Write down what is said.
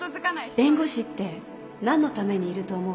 弁護士って何のためにいると思う？